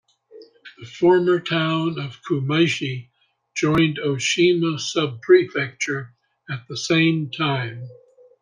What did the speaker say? The former town of Kumaishi joined Oshima Subprefecture at the same time.